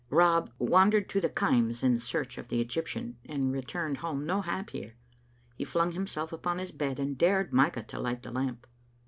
Rob wondered to the Kaims in search of the Egyptian, and returned home no happier. He flung himself upon his bed and dared Micah to light the lamp.